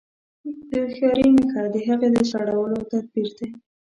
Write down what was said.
د هوښياري نښه د هغې د سړولو تدبير دی.